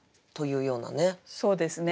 そうですね。